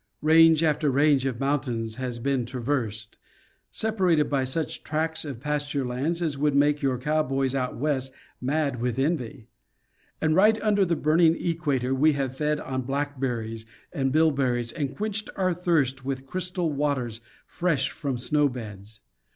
Range after range of mountains has been traversed, separated by such tracts of pas ture lands as would make your cowboys out west mad with envy. And right under the burning equator we have fed on blackberries and bilberries and quenched our thirst with crystal water fresh from snow beds.